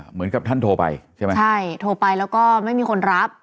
เหมือนกับท่านโทรไปใช่ไหมใช่โทรไปแล้วก็ไม่มีคนรับ